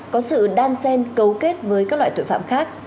có sự đan sen cấu kết với các loại tội phạm khác